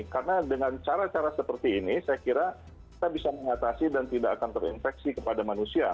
karena dengan cara cara seperti ini saya kira kita bisa mengatasi dan tidak akan terinfeksi kepada manusia